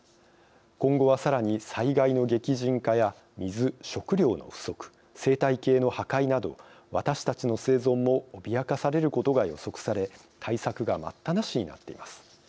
今後はさらに災害の激甚化や水・食料の不足生態系の破壊など私たちの生存も脅かされることが予測され対策が待ったなしになっています。